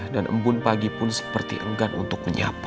dan embun pagi pun seperti enggan untuk menyapa